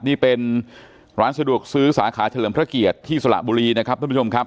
นี่เป็นร้านสะดวกซื้อสาขาเฉลิมพระเกียรติที่สระบุรีนะครับท่านผู้ชมครับ